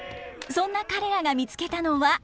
そんな彼らが見つけたのは。